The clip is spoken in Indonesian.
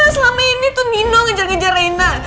selama ini tuh nino ngejar ngejar rena